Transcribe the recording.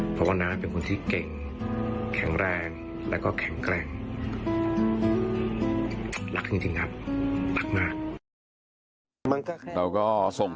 เพราะว่าน้าเป็นคนที่เก่งแข็งแรงและก็แข็งแกร่ง